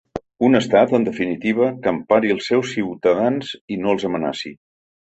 Un estat, en definitiva, que empari els seus ciutadans i no els amenaci.